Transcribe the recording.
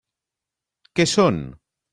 Què són?